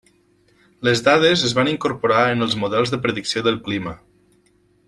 Les dades es van incorporar en els models de predicció del clima.